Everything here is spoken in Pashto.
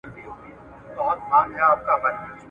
جهاني قاصد دي بولي نوی زېری یې راوړی `